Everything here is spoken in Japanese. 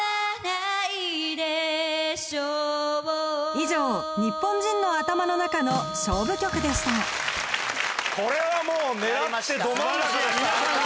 以上ニッポン人の頭の中の勝負曲でしたこれはもう狙ってど真ん中でした！